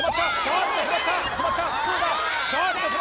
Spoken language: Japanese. どうだ？